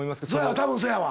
たぶんそやわ。